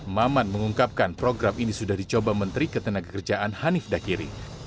maman mengungkapkan program ini sudah dicoba menteri ketenagakerjaan hanif dakiri